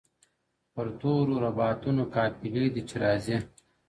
پر تورو رباتونو قافلې دي چي راځي-